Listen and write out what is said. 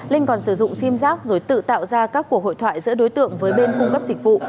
linh còn sử dụng sim giác rồi tự tạo ra các cuộc hội thoại giữa đối tượng với bên cung cấp dịch vụ